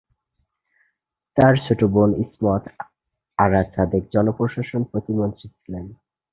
তার ছোট বোন ইসমত আরা সাদেক জনপ্রশাসন প্রতিমন্ত্রী ছিলেন।